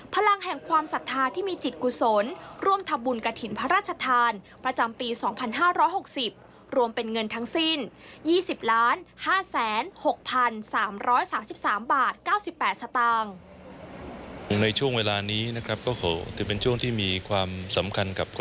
พลังแห่งความศรัทธาที่มีจิตกุศลร่วมทำบุญกระถิ่นพระราชทานประจำปี๒๕๖๐รวมเป็นเงินทั้งสิ้น๒๐๕๖๓๓บาท๙๘สตางค์ในช่วงเวลานี้นะครับ